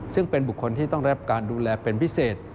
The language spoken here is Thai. ซึ่งเป็นบุคคลที่ต้องได้รับการดูแลเป็นพิเศษ